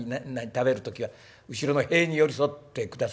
『食べる時は後ろの塀に寄り添ってください』？